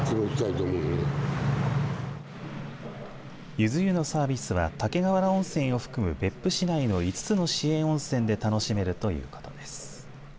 ゆず湯のサービスは竹瓦温泉を含む別府市内の５つの市営温泉で楽しめるということです。